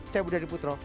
saya budi adiputro